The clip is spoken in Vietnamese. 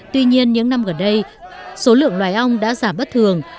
tuy nhiên những năm gần đây số lượng loài ong đã giảm bất thường